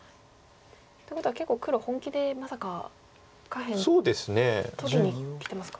ということは結構黒本気でまさか下辺取りにきてますか？